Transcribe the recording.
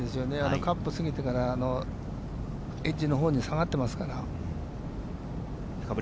カップ過ぎてからエッジのほうに下がっていますから。